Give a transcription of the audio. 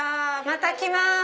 また来ます！